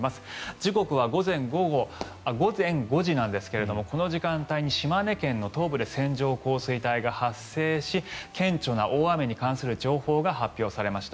時刻は午前５時なんですがこの時間帯に島根県の東部で線状降水帯が発生し顕著な大雨に関する情報が発表されました。